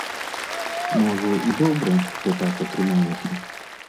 Можа, і добра, што так атрымалася.